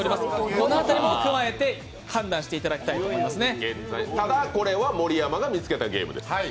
この辺りも踏まえて判断していただきたいと思いますね。